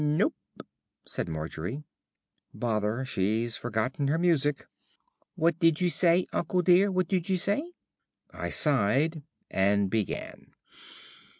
'" "Nope," said Margery. "Bother, she's forgotten her music." "What did you say, uncle dear; what did you say?" I sighed and began.